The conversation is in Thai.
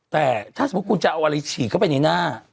แต่ถ้ามันจะเอาอะไรฉีดของในหน้า